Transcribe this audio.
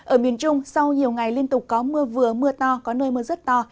ở miền trung sau nhiều ngày liên tục có mưa vừa mưa to có nơi mưa rất to